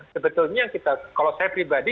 sebetulnya kalau saya pribadi